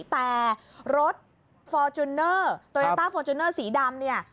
แต่รถโตยาต้าฟอร์จูเนอร์สีดำ